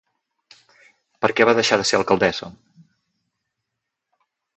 Per què va deixar de ser alcaldessa?